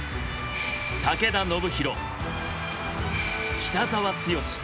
武田修宏北澤豪。